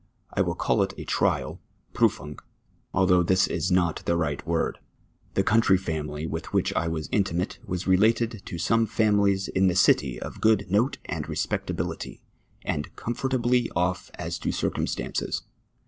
I will call it a trial {Pnifuny), although this is not the right Avord. The country family with which I was intimate was related to some families in the city of good note and respectability, and comfortably off as to circumstances.